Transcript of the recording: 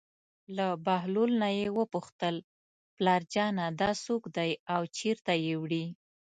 له بهلول نه یې وپوښتل: پلارجانه دا څوک دی او چېرته یې وړي.